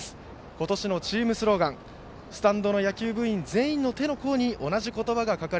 今年のチームスローガンスタンドの野球部員全員の手の甲に同じ言葉。